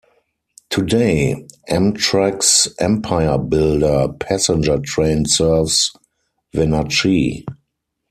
Today, Amtrak's "Empire Builder" passenger train serves Wenatchee.